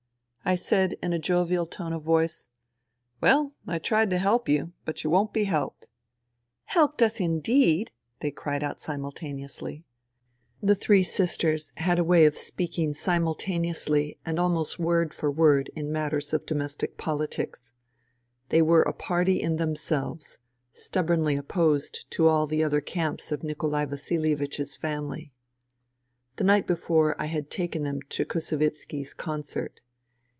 I said in a jovial tone of voice :" Well, I tried to help you. But you won't be helped." " Helped us indeed !" they cried out simultane ously. The three sisters had a way of speaking THE REVOLUTION 97 simultaneously and almost word for word in matters of domestic politics. They were a party in them selves, stubbornly opposed to all the other camps of Nikolai Vasilievich's family. The night before, I had taken them to Kusivitski's concert.